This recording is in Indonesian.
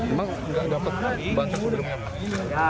emang nggak dapat paket sembako